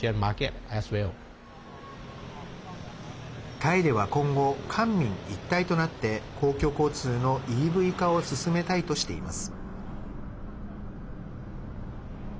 タイでは今後、官民一体となって公共交通のＥＶ化を進めたいとしています。